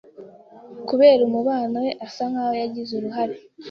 kubera umubano we asa nkaho yagize uruhare